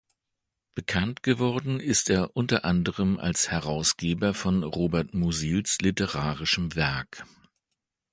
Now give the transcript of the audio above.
Bekannt geworden ist er unter anderem als Herausgeber von Robert Musils literarischem Werk.